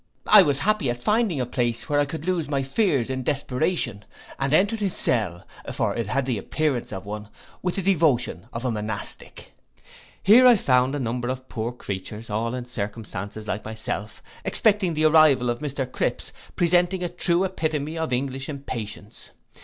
I was happy at finding a place where I could lose my fears in desperation, and entered this cell, for it had the appearance of one, with the devotion of a monastic. Here I found a number of poor creatures, all in circumstances like myself, expecting the arrival of Mr Cripse, presenting a true epitome of English impatience.